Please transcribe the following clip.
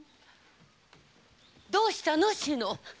どうしたの志野？